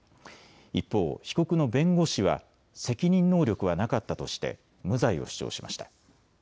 一方、被告の弁護士は責任能力はなかったとして無罪を主張しました。